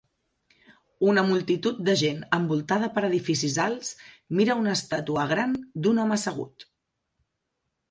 Una multitud de gent envoltada per edificis alts mira una estàtua gran d'un home assegut.